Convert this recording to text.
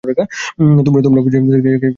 তোমরা পজিশন থেকে জ্বি, হিউস্টন!